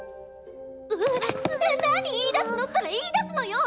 うっ何言いだすのったら言いだすのよ！